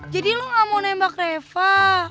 jadi lo gak mau nembak reva